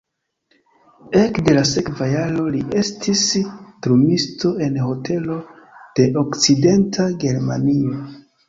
Ekde la sekva jaro li estis drumisto en hotelo de Okcidenta Germanio.